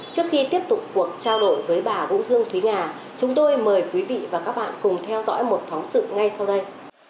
trước khi tiếp tục cuộc trao đổi với bà vũ dương thúy nga chúng tôi mời quý vị và các bạn cùng theo dõi một phóng sự ngay sau đây